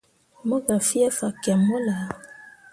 Mo gah fie fakyẽmme wullah.